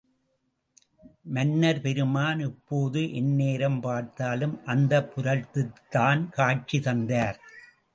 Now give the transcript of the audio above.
மன்னர் பெருமான் இப்போது எந்நேரம் பார்த்தாலும் அந்தப்புரத்தில்தான் காட்சி தந்தார்.